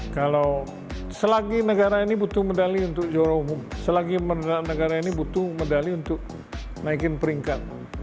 kalau selagi negara ini butuh medali untuk juara umum selagi negara ini butuh medali untuk naikin peringkat